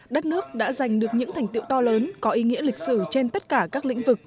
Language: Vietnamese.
đất nước đã giành được những thành tiệu to lớn có ý nghĩa lịch sử trên tất cả các lĩnh vực